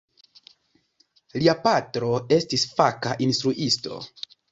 Lia patro estis faka instruisto.